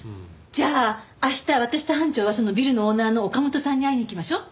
じゃあ明日私と班長はそのビルのオーナーの岡本さんに会いに行きましょう。